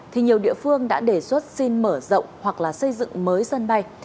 thì nhiều địa phương đã đề xuất xin mở rộng hoặc xây dựng mới dân bay